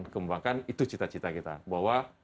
dikembangkan itu cita cita kita bahwa